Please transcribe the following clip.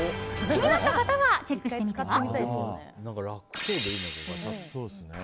気になった方はチェックしてみては？